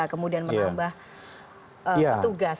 kemudian menambah tugas